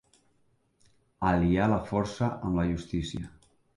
Aliar la força amb la justícia.